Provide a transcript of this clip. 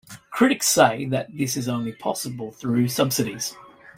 Critics say that this is only possible through subsidies.